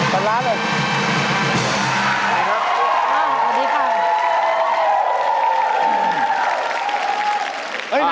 ตัดล้านหนึ่ง